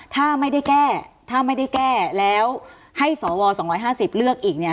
ถ้าไม่ได้แก้ถ้าไม่ได้แก้แล้วให้สว๒๕๐เลือกอีกเนี่ย